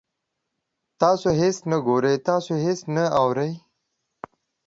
تاسو هیڅ نه ګورئ، تاسو هیڅ نه اورئ